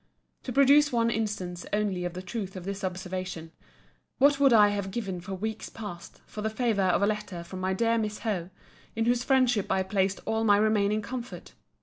To produce one instance only of the truth of this observation; what would I have given for weeks past, for the favour of a letter from my dear Miss Howe, in whose friendship I placed all my remaining comfort!